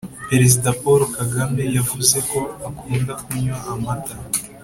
Perezida paul kagame yavuzeko akunda kunywa amata